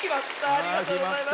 ありがとうございます。